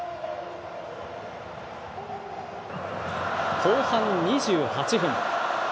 後半２８分。